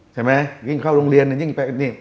ใช่ไหมยิ่งเข้าโรงเรียนยิ่งไปนี่